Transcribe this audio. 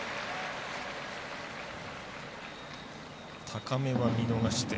高めは見逃して。